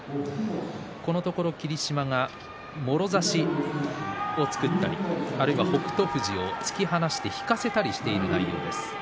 このところ霧島がもろ差しを作ったりあるいは北勝富士を突き放して引かせたりしている内容です。